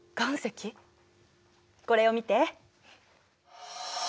これを見て。